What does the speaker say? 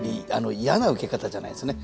嫌なウケ方じゃないんですね。